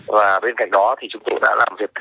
và bên cạnh đó thì chúng tôi đã làm việc với các bệnh nhân